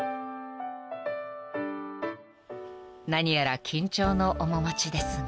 ［何やら緊張の面持ちですが］